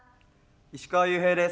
石川裕平です。